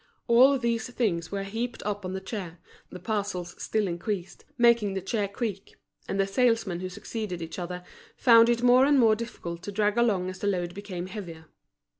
All these things were heaped up on the chair, the parcels still increased, making the chair creak; and the salesmen who succeeded each other, found it more and more difficult to drag along as the load became heavier.